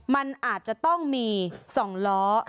มันอาจจะต้องมี๒ล้อ